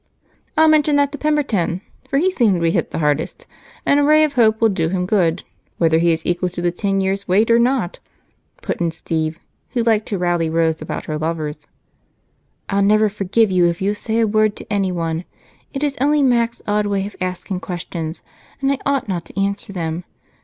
"I'll mention that to Pemberton, for he seemed to be hit the hardest, and a ray of hope will do him good, whether he is equal to the ten years' wait or not," put in Steve, who liked to rally Rose about her lovers. "I'll never forgive you if you say a word to anyone. It is only Mac's odd way of asking questions, and I ought not to answer them.